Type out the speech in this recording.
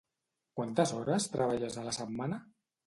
Quantes hores treballes a la setmana?